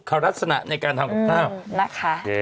แล้วรักษณะในการทำกับเธอนะคะ